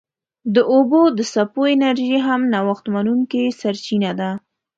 د اوبو د څپو انرژي هم نوښت منونکې سرچینه ده.